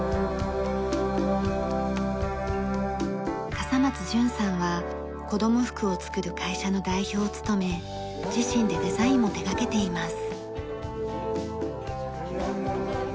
笠松潤さんは子供服を作る会社の代表を務め自身でデザインも手掛けています。